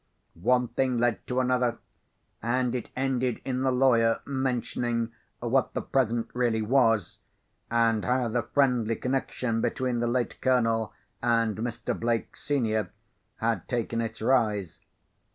One thing led to another; and it ended in the lawyer mentioning what the present really was, and how the friendly connexion between the late Colonel and Mr. Blake, senior, had taken its rise.